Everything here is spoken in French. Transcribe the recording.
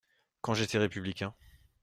… quand j'étais républicain !